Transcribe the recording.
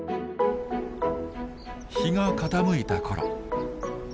日が傾いた頃。